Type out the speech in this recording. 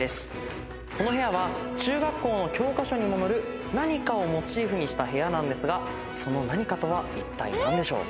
この部屋は中学校の教科書にも載る何かをモチーフにした部屋なんですがその何かとはいったい何でしょう？